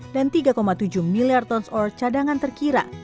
dan tiga tujuh miliar ton ore cadangan terkira